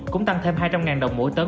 cũng tăng thêm hai trăm linh đồng mỗi tấn